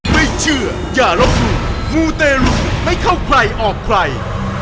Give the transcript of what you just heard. ไม่เชื่ออย่าลบหลู่มูเตรุไม่เข้าใครออกใคร